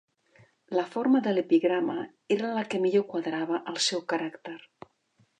La forma de l'epigrama era la que millor quadrava al seu caràcter.